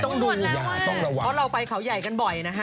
ต้องดูอย่าต้องระวังเพราะเราไปเขาใหญ่กันบ่อยนะฮะ